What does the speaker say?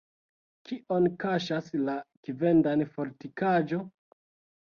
Kion kaŝas la Kvendan-fortikaĵo?